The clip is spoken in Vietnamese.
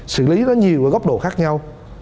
xử lý nó nhiều ở góc độ khác nhau